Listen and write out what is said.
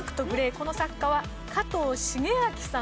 この作家は加藤シゲアキさん。